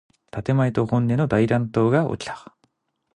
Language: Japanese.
建前と本心の大乱闘がおきた。